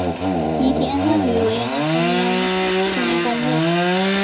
遗体安葬于维也纳中央公墓。